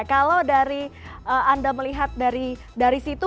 kalau dari anda melihat dari situ